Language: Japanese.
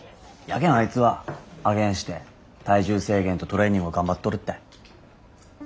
やけんあいつはあげんして体重制限とトレーニングを頑張っとるったい。